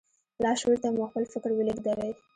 لاشعور ته مو خپل فکر ولېږدوئ.